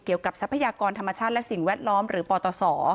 เกี่ยวกับทรัพยากรธรรมชาติและสิ่งแวดล้อมหรือปรตสอ